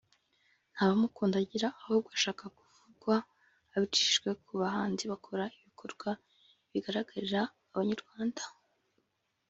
nta bamukunda agira ahubwo ashaka kuvugwa abicishije ku bahanzi bakora ibikorwa bigaragarira abanyarwanda